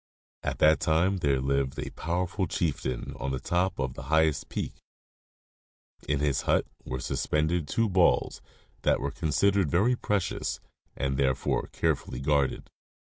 At that time there lived a powerful chieftain on top of the highest peak. In his hut were suspended two balls that were considered very precious and were therefore care fully guarded.